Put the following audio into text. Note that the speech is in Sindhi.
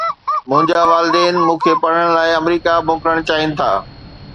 منهنجا والدين مون کي پڙهڻ لاءِ آمريڪا موڪلڻ چاهين ٿا